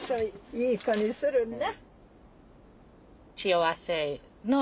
いい子にするんな。